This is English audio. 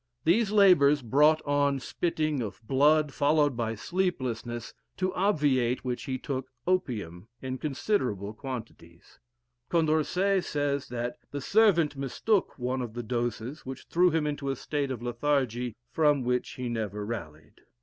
These labors brought on spitting of blood, followed by sleeplessness, to obviate which he took opium in considerable quantities. Condorcet says that the servant mistook one of the doses, which threw him into a state of lethargy, from which he never rallied.